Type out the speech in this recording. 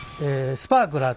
スパークラー。